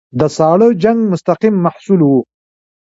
د ساړه جنګ مستقیم محصول وو.